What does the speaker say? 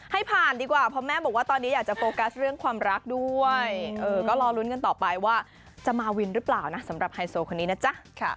ให้ผ่านดีกว่าเพราะแม่บอกว่าตอนนี้อยากจะโฟกัสเรื่องความรักด้วยก็รอลุ้นกันต่อไปว่าจะมาวินหรือเปล่านะสำหรับไฮโซคนนี้นะจ๊ะ